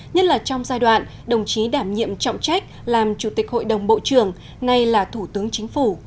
nhất là trong giai đoạn đồng chí đảm nhiệm trọng trách làm chủ tịch hội đồng bộ trưởng nay là thủ tướng chính phủ